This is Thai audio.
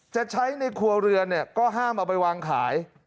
จะใช้ในครัวเรือนก็ห้ามเอาไปวางขาย